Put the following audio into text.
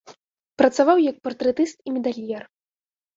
Працаваў як партрэтыст і медальер.